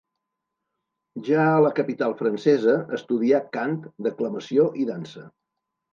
Ja a la capital francesa, estudià cant, declamació i dansa.